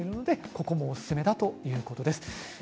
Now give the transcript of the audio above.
ここもおすすめだということです。